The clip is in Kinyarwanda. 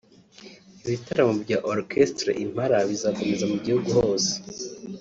Ibitaramo bya Orchestre Impala bizakomeza mu gihugu hose